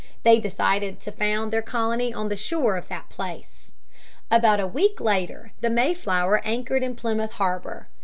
They decided to found their colony on the shore at that place. About a week later the Mayflower anchored in Plymouth harbor.